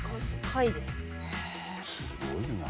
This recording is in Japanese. すごいな。